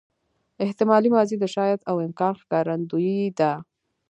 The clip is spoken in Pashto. احتمالي ماضي د شاید او امکان ښکارندوی ده.